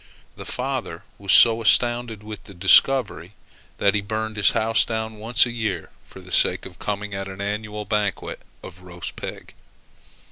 The father was so astounded with the discovery, that he burned his house down once a year for the sake of coming at an annual banquet of roast pig.